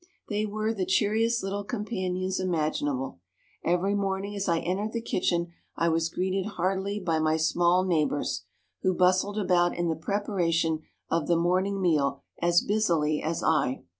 They were the cheeriest little companions imaginable. Every morning as I entered the kitchen I was greeted heartily by my small neighbors, who bustled about in the preparation of the morning meal as busily as I.